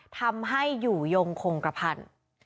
ทำให้อยู่ยงคงกระพันธุ์